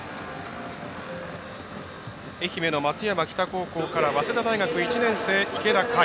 愛媛の松山北高校から早稲田大学１年生、池田。